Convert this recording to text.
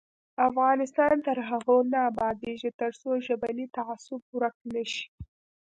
افغانستان تر هغو نه ابادیږي، ترڅو ژبنی تعصب ورک نشي.